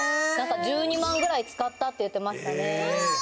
１２万円ぐらい使ったって言ってましたねうわー！